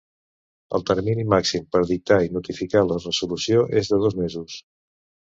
El termini màxim per dictar i notificar la resolució és de dos mesos.